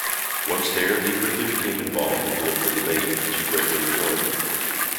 Once there, he quickly became involved in political debate, which he greatly enjoyed.